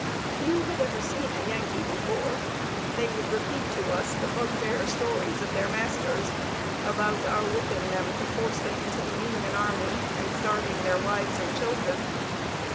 Few had ever seen a Yankee before. They would repeat to us the bugbear stories of their masters, about our whipping them to force them into the Union army, and starving their wives and children.